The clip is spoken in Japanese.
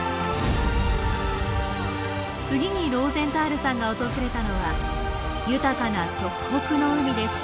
次にローゼンタールさんが訪れたのは豊かな極北の海です。